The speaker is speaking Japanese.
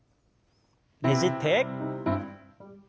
ねじって。